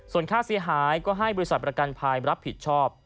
ส่วนค่าเสียหายก็ให้บริษัทประกันภัยรับผิดชอบ